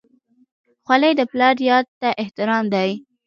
خولۍ د پلار یاد ته احترام دی.